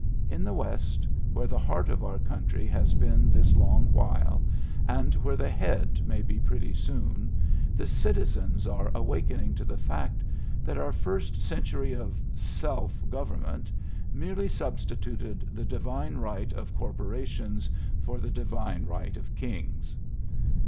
In the West, where the heart of our country has been this long while, and where the head may be pretty soon, the citizens are awakening to the fact that our first century of " self " government merely substituted the divine right of corpora tions for the divine right of Kings.